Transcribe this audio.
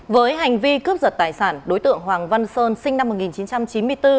với hành vi cướp giật tài sản đối tượng hoàng văn sơn sinh năm một nghìn chín trăm chín mươi bốn